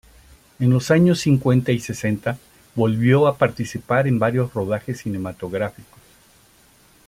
En los años cincuenta y sesenta volvió a participar en varios rodajes cinematográficos.